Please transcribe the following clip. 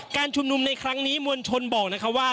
การชุมนุมในครั้งนี้มวลชนบอกนะคะว่า